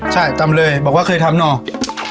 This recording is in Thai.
ใช่ตำเลยบอกว่าเคยทำเนอะ